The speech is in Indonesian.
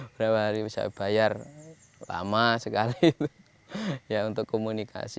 berapa hari bisa bayar lama sekali ya untuk komunikasi